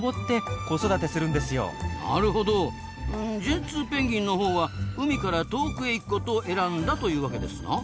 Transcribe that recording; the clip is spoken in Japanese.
ジェンツーペンギンのほうは海から遠くへ行くことを選んだというわけですな。